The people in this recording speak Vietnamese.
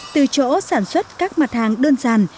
từ chỗ sản xuất các mặt hàng đơn giản